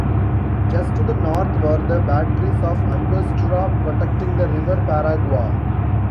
Just to the north were the batteries of Angostura, protecting the River Paraguay.